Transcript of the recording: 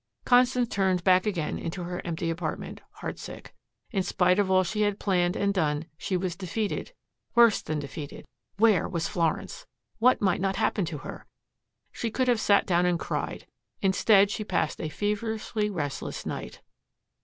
Constance turned back again into her empty apartment, heart sick. In spite of all she had planned and done, she was defeated worse than defeated. Where was Florence! What might not happen to her! She could have sat down and cried. Instead she passed a feverishly restless night.